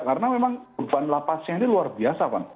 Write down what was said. karena memang beban lapasnya ini luar biasa kan